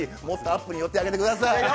もっとアップに寄ってあげてください。